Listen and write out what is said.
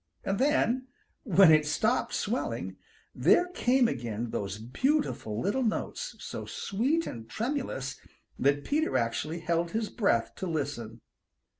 And then, when it stopped swelling, there came again those beautiful little notes, so sweet and tremulous that Peter actually held his breath to listen.